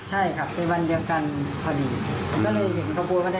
ใช่ครับเป็นวันเดียวกันพอดี